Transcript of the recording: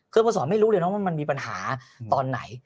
สโบสรไม่รู้เลยว่ามันมีปัญหาตอนไหน